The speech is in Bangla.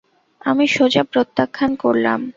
আমি সোজা প্রত্যাখ্যান করলাম।